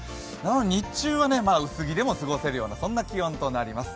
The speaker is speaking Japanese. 日中は薄着でも過ごせるようなそんな気温となります。